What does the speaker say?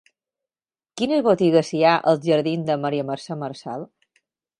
Quines botigues hi ha als jardins de Maria Mercè Marçal?